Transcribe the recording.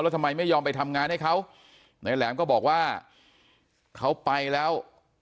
แล้วทำไมไม่ยอมไปทำงานให้เขานายแหลมก็บอกว่าเขาไปแล้ว